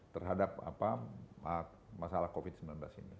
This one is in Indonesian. terhadap masalah covid sembilan belas ini